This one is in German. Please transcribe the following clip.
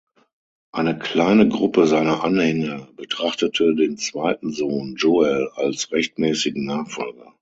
Eine kleine Gruppe seiner Anhänger betrachtete den zweiten Sohn, Joel, als rechtmäßigen Nachfolger.